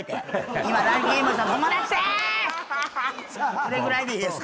これぐらいでいいですか？